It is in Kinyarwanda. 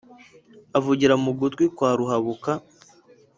avugira mu gutwi kwa ruhabuka